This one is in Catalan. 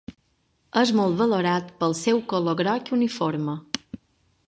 És molt valorat pel seu color groc uniforme.